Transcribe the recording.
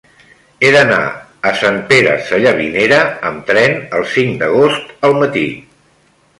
He d'anar a Sant Pere Sallavinera amb tren el cinc d'agost al matí.